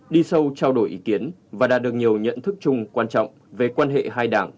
đi sâu trao đổi ý kiến và đạt được nhiều nhận thức chung quan trọng về quan hệ hai đảng